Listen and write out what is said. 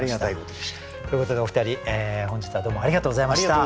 ということでお二人本日はどうもありがとうございました。